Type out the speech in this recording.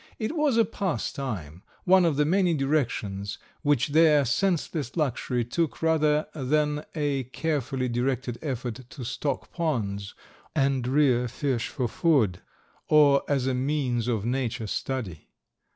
It was a pastime, one of the many directions which their senseless luxury took rather than a carefully directed effort to stock ponds and rear fish for food, or as a means of nature study.